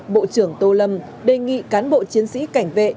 bộ trưởng tô lâm đề nghị cán bộ chiến sĩ cảnh vệ